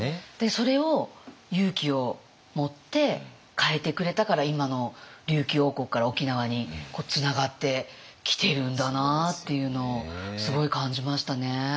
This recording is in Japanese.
それを勇気を持って変えてくれたから今の琉球王国から沖縄につながってきてるんだなっていうのをすごい感じましたね。